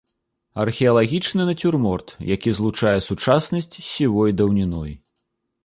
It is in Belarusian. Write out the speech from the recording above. Археалагічны нацюрморт, які злучае сучаснасць з сівой даўніной.